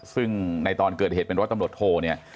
ซึ่งในตอนเกิดเหตุเป็นร้อยตำรวจโทเนี่ย